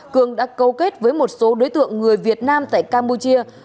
cường đã câu kết với một số đối tượng người việt nam tại campuchia